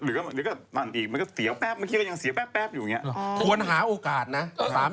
หรือก็ฟันว่านี้มันก็เสียแป๊บมันก็เดียวก็เสียแป๊บอยู่อย่างเงี้ย